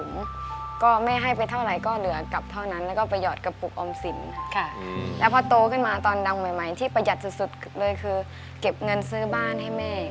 หลุมก็ไม่ให้ไปเท่าไหร่ก็เหลือกลับเท่านั้นแล้วก็ประหยัดกระปุกออมสินค่ะแล้วพอโตขึ้นมาตอนดังใหม่ใหม่ที่ประหยัดสุดสุดเลยคือเก็บเงินซื้อบ้านให้แม่